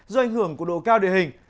do ảnh hưởng của độ cao địa hình